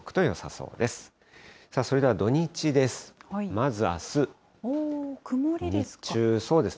それでは土日です。